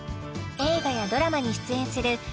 映画やドラマに出演する